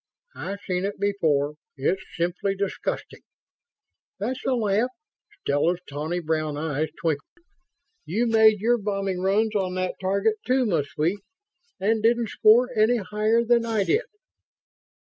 "I've seen it before. It's simply disgusting." "That's a laugh." Stella's tawny brown eyes twinkled. "You made your bombing runs on that target, too, my sweet, and didn't score any higher than I did."